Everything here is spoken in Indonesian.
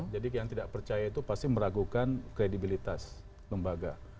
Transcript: yang tidak percaya itu pasti meragukan kredibilitas lembaga